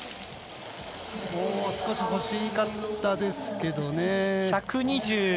もう少しほしかったですけどね。